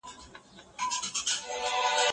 آيا ته پوهېږې چي د ژوند اصلي هدف څه دی؟